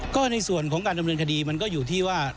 ก็ในส่วนของการดำเนินคดีมันก็อยู่ที่ว่า